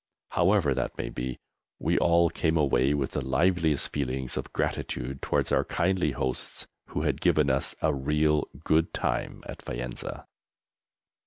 However that may be, we all came away with the liveliest feelings of gratitude towards our kindly hosts who had given us a real good time at Faenza.